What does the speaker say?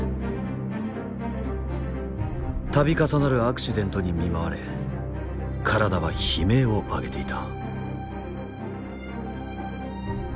度重なるアクシデントに見舞われ体は悲鳴を上げていた。